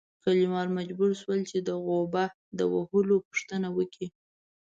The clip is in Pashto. کلیوال مجبور شول چې د غوبه د وهلو پوښتنه وکړي.